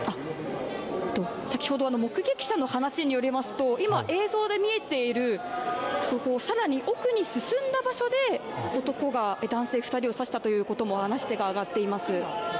先ほど目撃者の話によりますと、今、映像で見えている更に奥に進んだ場所で男が男性２人を刺したという話もあがっています。